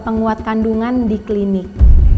penguat kandungan di klinik